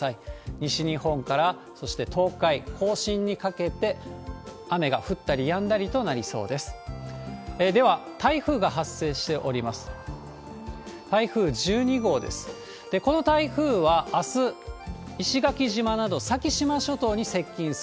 西日本から、そして東海、甲信にかけて雨が降ったりやんだりとなりそうです。